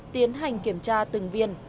tiến hành kiểm tra từng viên